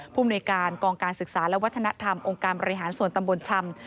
ภูมิในการกองการศึกษาและวัฒนธรรมองค์การบริหารส่วนตำบลชำ